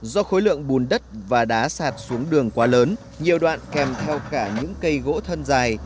do khối lượng bùn đất và đá sạt xuống đường quá lớn nhiều đoạn kèm theo cả những cây gỗ thân dài